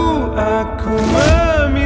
engkau jauh di situ